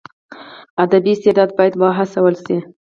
ادبي استعداد باید وهڅول سي.